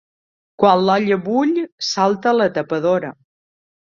Quan l'olla bull, salta la tapadora.